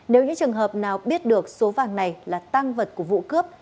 nếu những trường hợp nào biết được số vàng này là tăng vật của vụ cướp